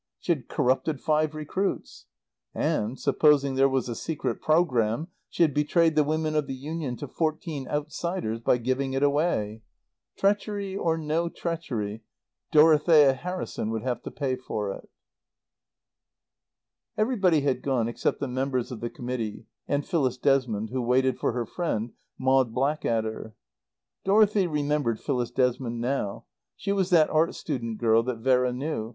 She had corrupted five recruits. And, supposing there was a secret program, she had betrayed the women of the Union to fourteen outsiders, by giving it away. Treachery or no treachery, Dorothea Harrison would have to pay for it. Everybody had gone except the members of the Committee and Phyllis Desmond who waited for her friend, Maud Blackadder. Dorothy remembered Phyllis Desmond now; she was that art student girl that Vera knew.